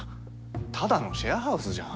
ただのシェアハウスじゃん。